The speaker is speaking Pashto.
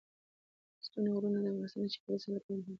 ستوني غرونه د افغانستان د چاپیریال ساتنې لپاره مهم دي.